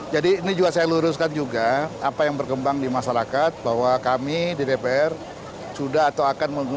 jadi ini juga saya luruskan juga apa yang berkembang di masyarakat bahwa kami ddpr sudah atau akan